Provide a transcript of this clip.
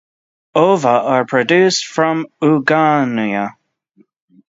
Ova are produced from oogonia.